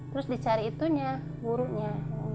terus dicari itunya gurunya